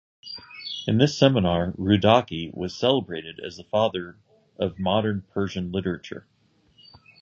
In this seminar, Rudaki was celebrated as the father of the Modern Persian literature.